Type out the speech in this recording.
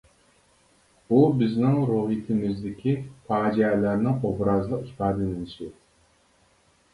ئۇ بىزنىڭ روھىيىتىمىزدىكى پاجىئەلەرنىڭ ئوبرازلىق ئىپادىلىنىشى.